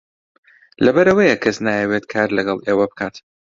لەبەر ئەوەیە کەس نایەوێت کار لەگەڵ ئێوە بکات.